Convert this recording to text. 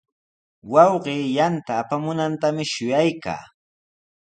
Wawqii yanta apamunantami shuyaykaa.